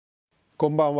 こんばんは。